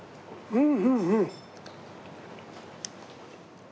うん！